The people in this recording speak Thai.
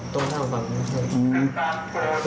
ตัวหน้าของฟังนะครับ